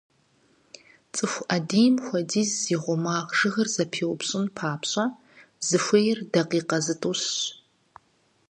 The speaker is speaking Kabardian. ЦӀыху Ӏэдийм хуэдиз зи гъумагъ жыгыр зэпиупщӀын папщӀэ, зыхуейр дакъикъи зытӀущщ.